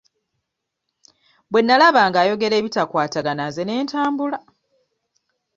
Bwe nnalaba nga ayogera ebitakwatagana nze ne ntambula.